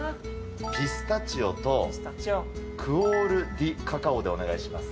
ピスタチオとクオールディカカオお願いします。